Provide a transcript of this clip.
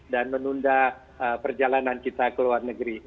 dan menunda perjalanan kita ke luar negeri